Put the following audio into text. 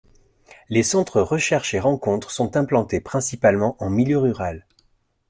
Les centres 'Recherche et Rencontres' sont implantés principalement en milieu rural.